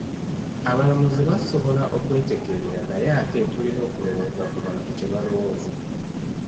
Abalamuzi basobola okwetegerera naye ate tulina okulowooza ku bantu kye balowooza.